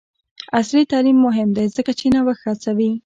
عصري تعلیم مهم دی ځکه چې نوښت هڅوي.